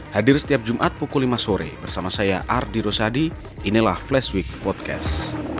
hadir setiap jumat pukul lima sore bersama saya ardy rosadi inilah flashweek podcast